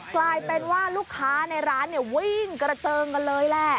กลายเป็นว่าลูกค้าในร้านวิ่งกระเจิงกันเลยแหละ